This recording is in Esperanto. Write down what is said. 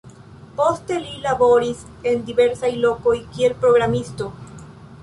Poste li laboris en diversaj lokoj kiel programisto.